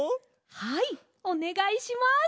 はいおねがいします！